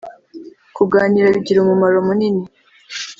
Kuganira bigira umumaro munini